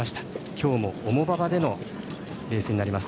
今日も重馬場でのレースになります。